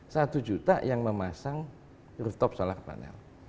satu juta yang memasang rooftop solar panel